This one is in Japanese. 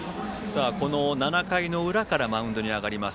７回の裏からマウンドに上がります